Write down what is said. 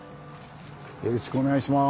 よろしくお願いします。